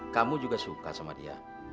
kamu juga suka sama dia